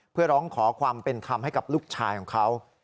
เพื่อร้องขอความเป็นธรรมให้กับลูกชายของเขา